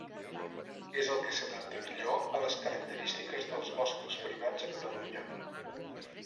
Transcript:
És el que s'adapta millor a les característiques dels boscos privats a Catalunya.